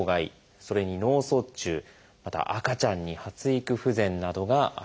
それに「脳卒中」または「赤ちゃんに発育不全」などがあります。